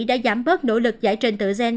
đã giảm bớt nỗ lực giải trên tờ gen